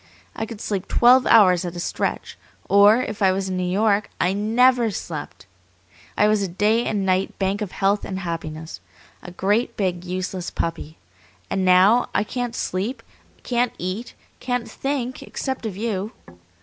I could sleep twelve hours at a stretch, or, if I was in New York, I NEVER slept. I was a Day and Night Bank of health and happiness, a great, big, useless puppy. And now I can't sleep, can't eat, can't think except of you.